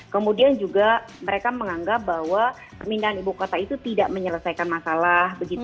kemudian juga mereka menganggap bahwa pemindahan ibu kota itu tidak menyelesaikan masalah